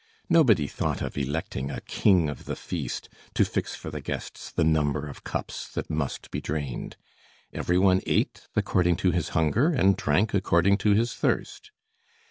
Nobody thought of electing a king of the feast, to fix for the guests the number of cups that must be drained. Every one ate according to his hunger and drank according to his thirst.